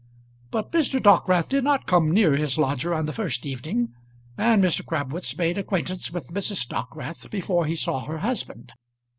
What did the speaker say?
But Mr. Dockwrath did not come near his lodger on the first evening, and Mr. Crabwitz made acquaintance with Mrs. Dockwrath before he saw her husband.